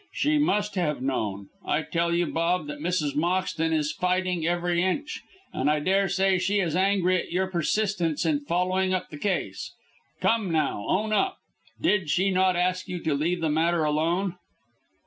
She must have known. I tell you, Bob, that Mrs. Moxton is fighting every inch, and I daresay she is angry at your persistence in following up the case. Come, now, own up! Did she not ask you to leave the matter alone?"